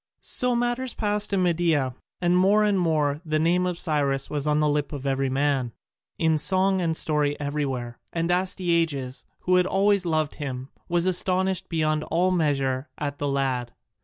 So matters passed in Media: and more and more the name of Cyrus was on the lip of every man, in song and story everywhere, and Astyages, who had always loved him, was astonished beyond all measure at the lad.